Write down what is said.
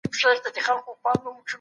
د ګلونو ټولول د لاس په واسطه ترسره کېږي.